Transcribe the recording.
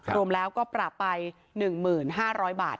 รวมแล้วก็ปรับไป๑๕๐๐บาท